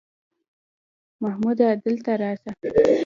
محموده دلته راسه!